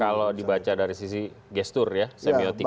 kalau dibaca dari sisi gestur ya semiotika